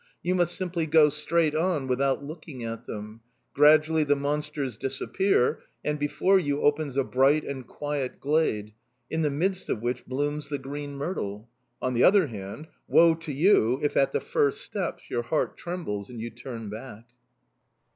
You must simply go straight on without looking at them; gradually the monsters disappear, and, before you, opens a bright and quiet glade, in the midst of which blooms the green myrtle. On the other hand, woe to you if, at the first steps, your heart trembles and you turn back!"